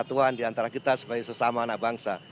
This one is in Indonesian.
dan perbatasan diantara kita sebagai sesama anak bangsa